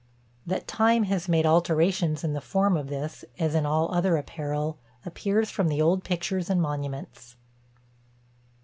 That time has made alterations in the form of this, as in all other apparel, appears from the old pictures and monuments.